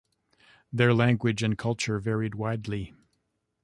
Their language and culture varied widely.